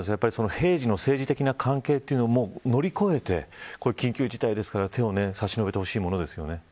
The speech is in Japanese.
平時の政治的な関係というのも乗り越えて、緊急事態ですから手を差し伸べてほしいものですね。